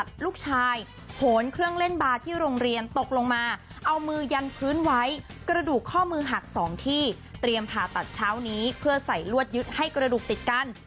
ใส่รวดยึดให้กระดูกติดกัน